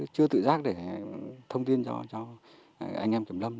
chưa tự giác để thông tin cho anh em kiểm lâm